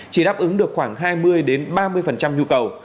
chỉ đáp ứng được khoảng hai mươi ba mươi nhu cầu